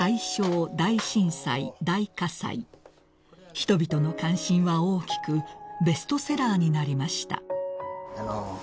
［人々の関心は大きくベストセラーになりました］